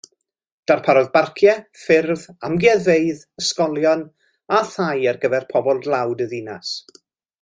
Darparodd barciau, ffyrdd, amgueddfeydd, ysgolion a thai ar gyfer pobl dlawd y ddinas.